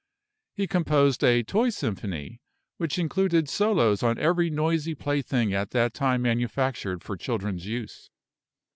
He composed a toy symphony, which included solos on every noisy plaything at that time manufactured for children's use.